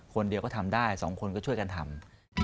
คนเดียวก็ทำได้สองคนก็ช่วยกันทำ